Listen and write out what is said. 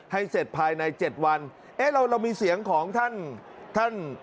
ให้เสร็จภายในเจ็ดวันเอ๊ะเราเรามีเสียงของท่านท่าน